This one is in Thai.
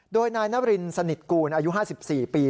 โดยนายนบรินสนิทกูลอายุ๕๔ปี